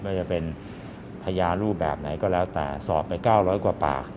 ว่าจะเป็นพญารูปแบบไหนก็แล้วแต่สอบไป๙๐๐กว่าปาก